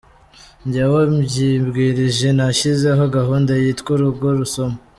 Njyewe mbyibwirije nashyizeho gahunda yitwa ‘urugo rusoma’.